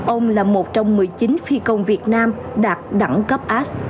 ông là một trong một mươi chín phi công việt nam đạt đẳng cấp as